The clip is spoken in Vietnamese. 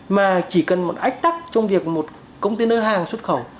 mà chỉ cần một ách tắc trong việc một công ty nơi hàng xuất khẩu